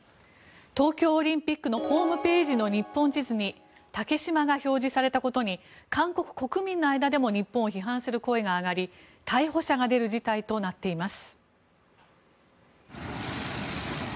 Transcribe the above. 東京オリンピックのホームページの日本地図に竹島が表示されたことに韓国国民の間でも日本を批判する声が上がり逮捕者が出る事態となっています。